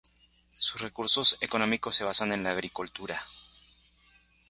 Sus recursos económicos se basan en la agricultura.